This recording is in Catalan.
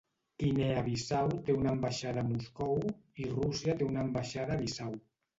Guinea Bissau té una ambaixada a Moscou, i Rússia té una ambaixada a Bissau.